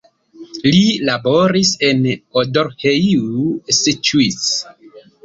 Li laboris en Odorheiu Secuiesc.